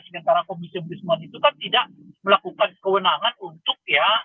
sementara komisi budi semua itu kan tidak melakukan kewenangan untuk ya